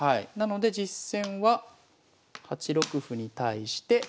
なので実戦は８六歩に対して。